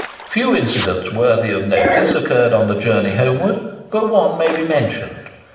Few incidents worthy of notice occurred on the journey homeward, but one may be mentioned.